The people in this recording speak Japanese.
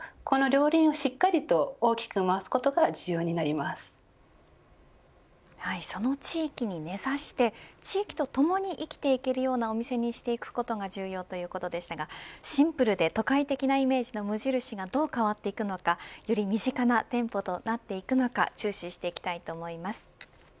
この両輪はしっかりと大きく回すことがその地域に根差して地域と共に生きていけるようなお店にしていくことが重要ということでしたがシンプルで都会的なイメージの無印がどう変わっていくのかより身近な店舗となっていくのか注視していきたいと思います。